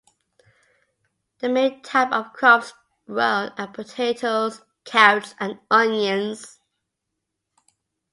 The main type of crops grown are potatoes, carrots, and onions.